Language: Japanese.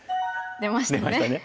出ましたね。